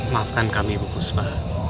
maafkan kami bu puspa